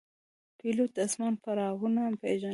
پیلوټ د آسمان پړاوونه پېژني.